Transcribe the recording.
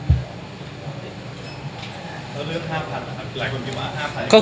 แล้วเรื่องห้าพันนะครับหลายคนคิดว่าห้าพัน